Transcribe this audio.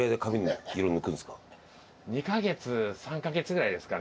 ２カ月３カ月ぐらいですかね。